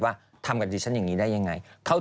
เป็นเช่นนี้เอาล่ะมาดูน้องน้ำนะ